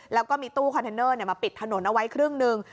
แล้วก็มีตู้คอนเทนเนอร์มาปิดถนนเอาไว้ครึ่งหนึ่ง